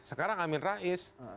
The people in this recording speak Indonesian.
sekarang amin rais